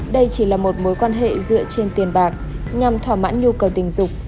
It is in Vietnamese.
đây chỉ là một mối quan hệ dựa trên tiền bạc nhằm thỏa mãn nhu cầu tình dục